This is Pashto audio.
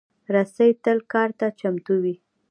رسۍ تل کار ته چمتو وي.